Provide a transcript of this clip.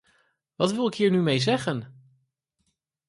Wat wil ik hier nu mee zeggen?